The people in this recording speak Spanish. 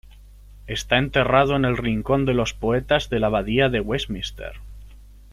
Está enterrado en el Rincón de los poetas de la Abadía de Westminster.